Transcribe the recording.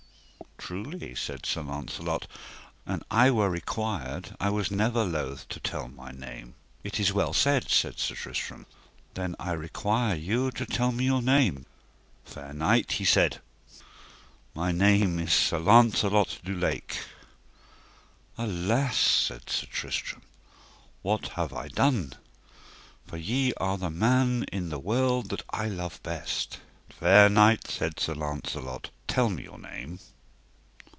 Truly, said Sir Launcelot, an I were required I was never loath to tell my name. It is well said, said Sir Tristram, then I require you to tell me your name? Fair knight, he said, my name is Sir Launcelot du Lake. Alas, said Sir Tristram, what have I done! for ye are the man in the world that I love best. Fair knight, said Sir Launcelot, tell me your name?